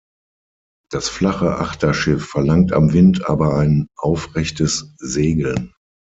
Das flache Achterschiff verlangt am Wind aber ein aufrechtes Segeln.